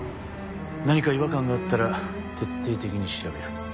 何か違和感があったら徹底的に調べる。